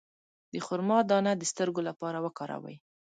د خرما دانه د سترګو لپاره وکاروئ